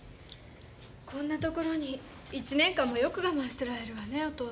こんなところに１年間もよく我慢してられるわねお父さん。